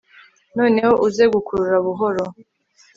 noneho uze gukurura buhoro